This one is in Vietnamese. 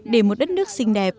để một đất nước xinh đẹp